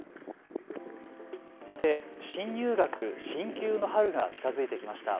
さて新入学、進級の春が近づいてきました。